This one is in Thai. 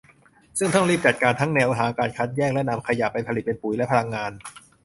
ซึ่งต้องรีบจัดการทั้งแนวทางการคัดแยก และ นำขยะไปผลิตเป็นปุ๋ยและพลังงาน